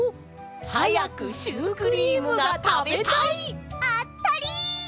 はやくシュークリームがたべたい！あたり！